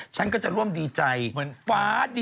ฉันก็ร่วมดีใจฟ้าดินพ่อรับรู้